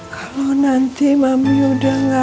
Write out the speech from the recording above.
kalau nanti mami udah nggak ada